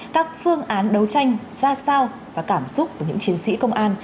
các phương án đấu tranh ra sao và cảm xúc của những chiến sĩ công an